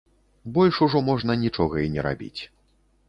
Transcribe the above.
Больш ужо можна нічога і не рабіць.